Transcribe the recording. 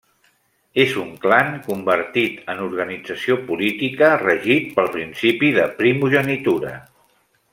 És un clan convertit en organització política, regit pel principi de primogenitura.